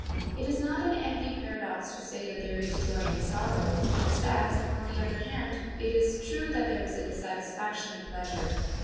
It is not an empty paradox to say that there is joy in sorrow, just as, on the other hand, it is true that there is a dissatisfaction in pleasure.